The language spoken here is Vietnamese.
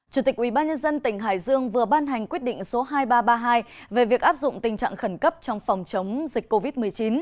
chủ tịch ubnd tỉnh hải dương vừa ban hành quyết định số hai nghìn ba trăm ba mươi hai về việc áp dụng tình trạng khẩn cấp trong phòng chống dịch covid một mươi chín